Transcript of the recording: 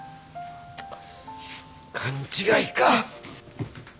勘違いか。